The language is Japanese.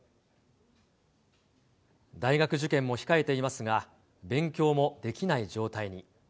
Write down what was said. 大学受験も控えていますが、勉強もできない状態に。